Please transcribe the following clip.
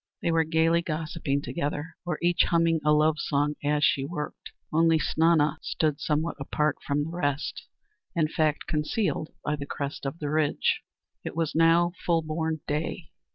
They were gayly gossiping together, or each humming a love song as she worked, only Snana stood somewhat apart from the rest; in fact, concealed by the crest of the ridge. It was now full born day.